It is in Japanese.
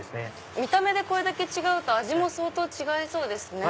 見た目でこれだけ違うと味も相当違いそうですね。